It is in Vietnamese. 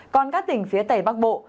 còn các tỉnh phía tẩy bắc bộ